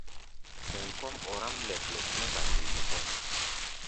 Sɛm kɔ́ʼm ɔráʼm lɛp-lɛp mɛ́ ba sede kɔ́ʼm.